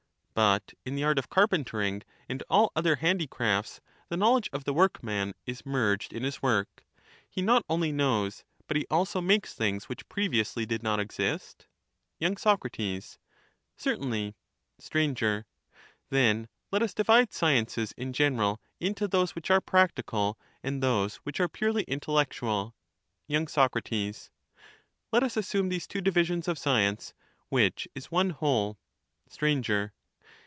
But in the art of carpentering and all other handicrafts, the knowledge of the workman is merged in his work ; he not only knows, but he also makes things which previously did not exist. y. Sac, Certainly. Str, Then let us divide sciences in general into those which Sciences are practical and those which are purely intellectual. ^^0*0^" y. Sac, Let us assume these two divisions of science, inteUectuai. which is one whole. Str.